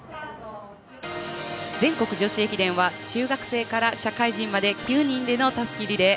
全国女子駅伝は中学生から社会人まで９人でのたすきリレー。